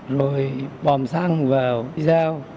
rồi bấm xăng vào đi rao